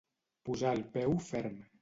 Posar el peu ferm.